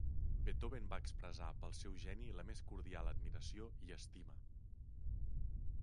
Beethoven va expressar pel seu geni la més cordial admiració i estima.